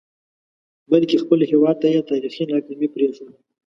بلکې خپل هیواد ته یې تاریخي ناکامي پرېښوده.